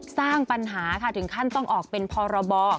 สร้างปัญหาค่ะถึงขั้นต้องออกเป็นพรบ